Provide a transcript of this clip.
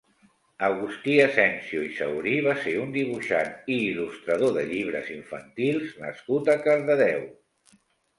Agustí Asensio i Saurí va ser un dibuixant i il·lustrador de llibres infantils nascut a Cardedeu.